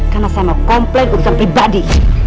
karena saya mau komplain urusan pribadi